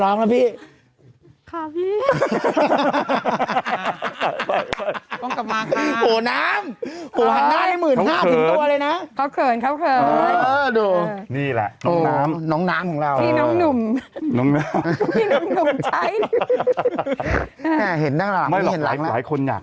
เรียกบ่นหนูบ่อยก็ได้นะ